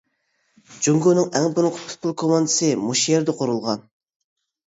جۇڭگونىڭ ئەڭ بۇرۇنقى پۇتبول كوماندىسى مۇشۇ يەردە قۇرۇلغان.